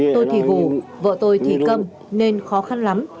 tôi thì hù vợ tôi thì cầm nên khó khăn lắm